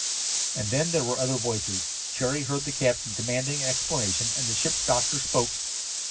And then there were other voices. Jerry heard the captain demanding an explanation, and the ship's doctor spoke.